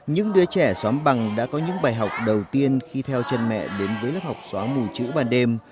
những đứa trẻ xóm bằng đã có những bài học đầu tiên khi theo chân mẹ đến với lớp học xóa mùi chữ ban đêm